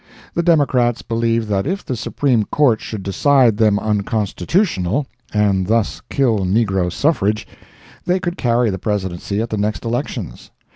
The Democrats believe that if the Supreme Court should decide them unconstitutional, and thus kill negro suffrage, they could carry the Presidency at the next elections.